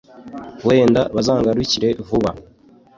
wenda bazangarukire vuba